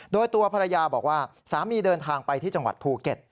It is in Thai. โดยตัวภรรยาบอกว่าสามีเดินทางไปที่จังหวัดภูเก็ต